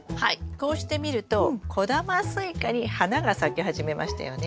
こうして見ると小玉スイカに花が咲き始めましたよね。